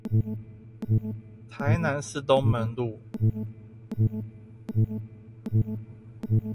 臺南市東門路